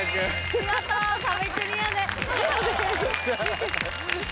見事壁クリアです。